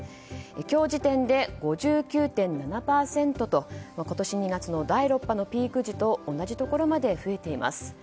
今日時点で５９．７％と今年２月の第６波のピーク時と同じところまで増えています。